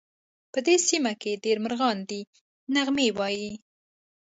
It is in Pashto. په دې سیمه کې ډېر مرغان دي نغمې وایې